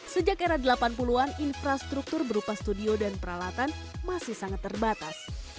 sejak era delapan puluh an infrastruktur berupa studio dan peralatan masih sangat terbatas